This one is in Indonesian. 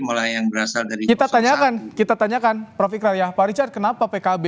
mulai yang berasal dari kita tanyakan kita tanyakan profikraya pak richard kenapa pkb